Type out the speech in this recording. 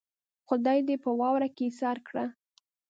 خدای دې په واورو کې ايسار کړه.